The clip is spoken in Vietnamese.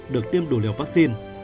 được tiêm đủ liều vaccine